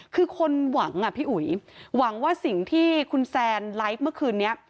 คือคนหวังอ่ะพี่อุ๋ยหวังว่าสิ่งที่คุณแซนไลฟ์เมื่อคืนนี้